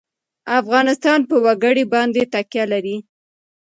افغانستان په وګړي باندې تکیه لري.